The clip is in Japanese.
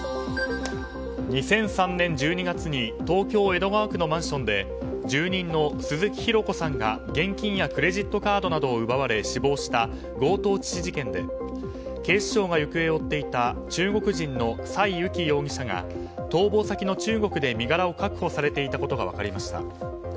２００３年１２月に東京・江戸川区のマンションで住人の鈴木弘子さんが現金やクレジットカードなどを奪われ死亡した強盗致死事件で警視庁が行方を追っていた中国人のサイ・ウキ容疑者が逃亡先の中国で身柄を確保されていたことが分かりました。